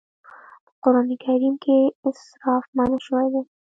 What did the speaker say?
په قرآن کريم کې اسراف منع شوی دی.